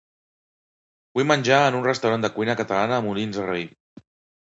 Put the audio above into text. Vull menjar en un restaurant de cuina catalana a Molins de Rei.